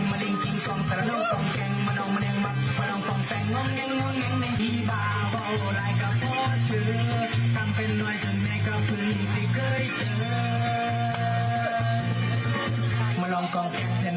มันลงมาแน่นมักมันลงคล่องแป่ง